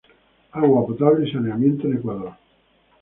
Agua potable y saneamiento en Ecuador